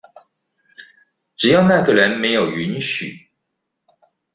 只要那個人沒有允許